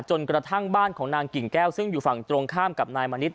กระทั่งบ้านของนางกิ่งแก้วซึ่งอยู่ฝั่งตรงข้ามกับนายมณิช